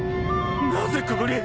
なぜここに。